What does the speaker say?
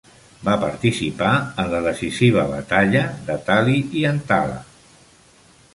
Va participar en la decisiva batalla de Tali-Ihantala.